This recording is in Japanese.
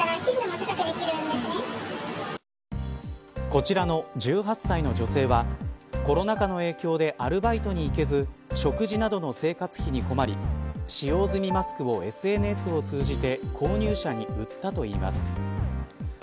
こちらの１８歳の女性はコロナ禍の影響でアルバイトに行けず食事などの生活費に困り使用済みマスクをＳＮＳを通じて購入者に売ったといいます。